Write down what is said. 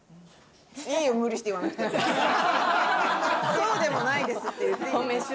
「そうでもないです」って言っていいよ